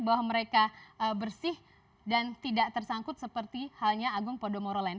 bahwa mereka bersih dan tidak tersangkut seperti halnya agung podomoro lain